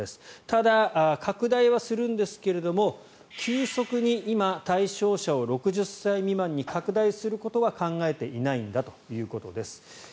ただ、拡大はするんですけども急速に今、対象者を６０歳未満に拡大することは考えていないんだということです。